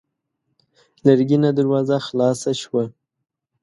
لرګينه دروازه خلاصه شوه.